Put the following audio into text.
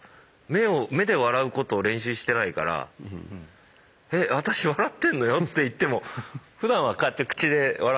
目を目で笑うことを練習してないから「え？私笑ってんのよ」って言ってもふだんはこうやって口で笑ってたから。